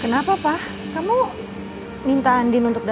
kenapa pak kamu minta andi nuntuk ke sini